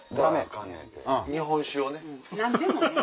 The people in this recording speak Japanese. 日本酒をね。